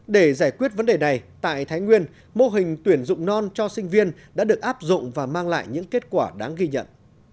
để giải quyết vấn đề này tại thái nguyên mô hình tuyển dụng non cho sinh viên đã được áp dụng và mang lại những kết quả đáng ghi nhận